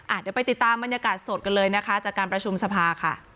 เดี๋ยวไปติดตามบรรยากาศสดกันเลยนะคะจากการประชุมสภาค่ะ